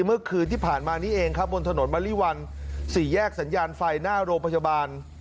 เมื่อคืนที่ผ่านมานี้เองครับบนถนนมะลิวันสี่แยกสัญญาณไฟหน้าโรงพยาบาล